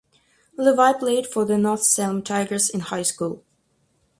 Levy played for the North Salem Tigers in high school.